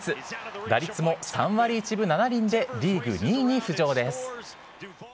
打率も３割１分７厘でリーグ２位に浮上です。